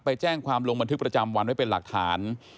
ไปแจ้งความลงบันทึกประจำวันไว้เป็นหลักฐาน